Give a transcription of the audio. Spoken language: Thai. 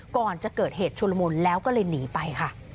ก่อนจะเกิดเหตุชุลมุนแล้วก็เลยหนีไปค่ะ